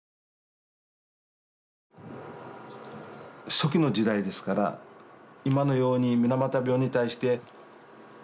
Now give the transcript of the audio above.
初期の時代ですから今のように水俣病に対して理解などありません。